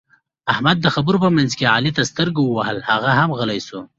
احمد د خبرو په منځ کې علي ته سترګه ووهله؛ هغه هم غلی شو.